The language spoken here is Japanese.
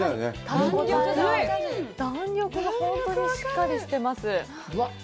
弾力が本当にしっかりしています。